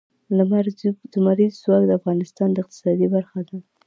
لمریز ځواک د افغانستان د اقتصاد برخه ده.